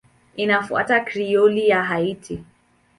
Inafuata Krioli ya Haiti.